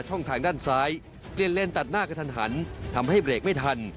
ทางด้านซ้ายเปลี่ยนเลนตัดหน้ากระทันหันทำให้เบรกไม่ทัน